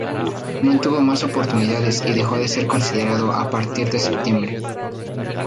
No tuvo más oportunidades y dejó de ser considerado a partir de septiembre.